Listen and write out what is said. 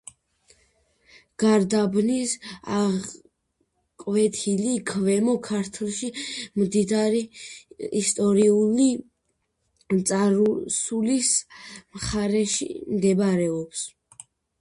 გარდაბნის აღკვეთილი, ქვემო ქართლში მდიდარი ისტორიული წარსულის მხარეში მდებარეობს.